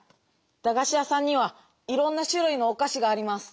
だがし屋さんにはいろんなしゅるいのおかしがあります。